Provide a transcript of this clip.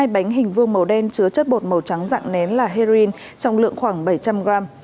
hai bánh hình vương màu đen chứa chất bột màu trắng dạng nén là heroin trọng lượng khoảng bảy trăm linh gram